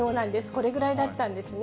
これぐらいだったんですね。